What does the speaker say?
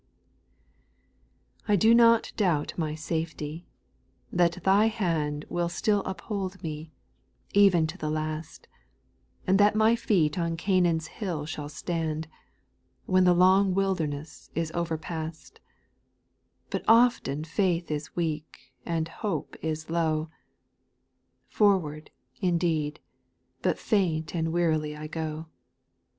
T DO not doubt my safety — that Thy hand A Will still ii])hold me, even to the last, And that my feet on Canaan's hill shall stand, When the long wilderness is overpast ; But often faith is weak, and hope is low ; Forward, indeed, but faint and wearily I go.